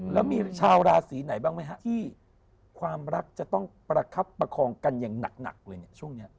แล้วมีชาวราศีไหนบ้างไหมฮะที่ความรักจะต้องประคับประคองกันอย่างหนักเลยเนี่ยช่วงนี้